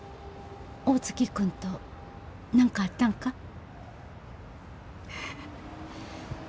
大月君と何かあったんか？